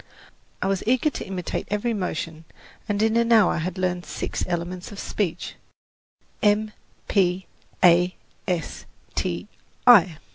I was eager to imitate every motion and in an hour had learned six elements of speech: M, P, A, S, T, I.